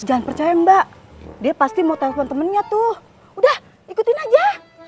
jangan percaya mbak dia pasti mau telepon temennya tuh udah ikutin aja